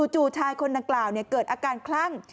จู่ชายคนดังกล่าวเกิดอาการคลั่ง